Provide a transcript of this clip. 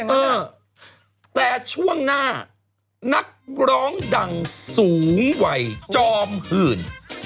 เออแต่ช่วงหน้านักร้องดังสูงวัยจอมหื่น